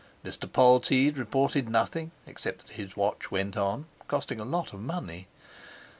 Mr. Polteed reported nothing, except that his watch went on—costing a lot of money.